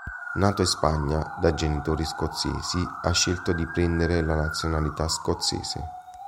Nato in Spagna da genitori scozzesi, ha scelto di prendere la nazionalità scozzese.